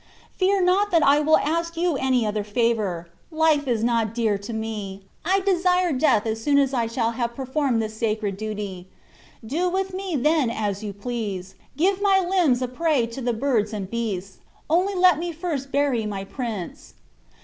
Fear not that I will ask you any other favor; life is not dear to me; I desire death as soon as I shall have performed this sacred duty. Do with me then as you please. Give my limbs a prey to the birds and beasts; only let me first bury my prince."